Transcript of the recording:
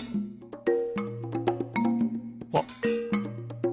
あっ。